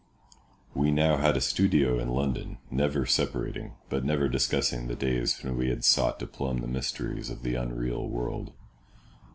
We now had a studio in London, never separating, but never discussing the days when we had sought to plumb the mysteries of the unreal world.